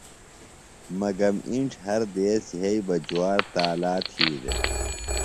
مگم اِنڇ ہر دیس یھئی بہ جُوار تالا تھی دےۡ۔